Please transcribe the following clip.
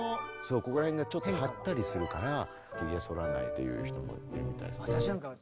ここら辺がちょっと張ったりするからヒゲ剃らないという人もいるみたいです。